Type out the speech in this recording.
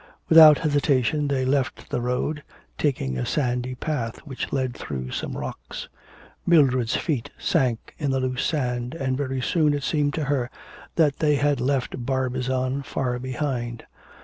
Without hesitation they left the road, taking a sandy path which led through some rocks. Mildred's feet sank in the loose sand, and very soon it seemed to her that they had left Barbizon far behind.